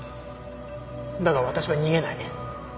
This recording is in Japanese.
だが私は逃げない。